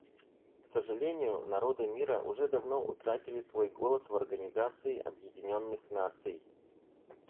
К сожалению, народы мира уже давно утратили свой голос в Организации Объединенных Наций.